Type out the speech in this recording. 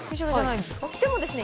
でもですね。